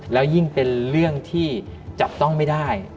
แล้วยิ่งเป็นเรื่องที่จับต้องไม่ได้